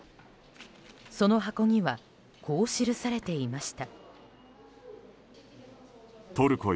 その箱にはこう記されていました。